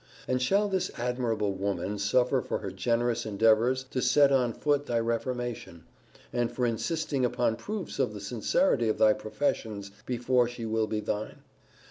And shall this admirable woman suffer for her generous endeavours to set on foot thy reformation; and for insisting upon proofs of the sincerity of thy professions before she will be thine?